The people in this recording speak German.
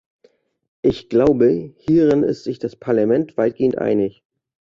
Ich glaube, hierin ist sich das Parlament weitgehend einig.